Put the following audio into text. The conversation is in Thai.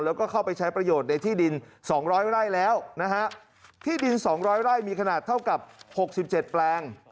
แล้วก็เข้าไปใช้ประโยชน์ในที่ดิน๒๐๐ไร่แล้วนะฮะที่ดิน๒๐๐ไร่มีขนาดเท่ากับ๖๗แปลง